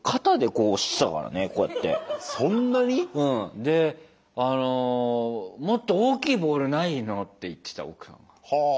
であの「もっと大きいボールないの？」って言ってた奥さんが。は！